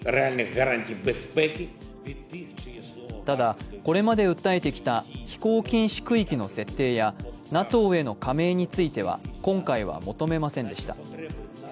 ただ、これまで訴えてきた飛行禁止区域の設定やＮＡＴＯへの加盟については今回は求めませんでした。